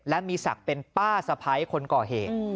และมีสักเป็นป้าสะพ้ายของคนก่อเห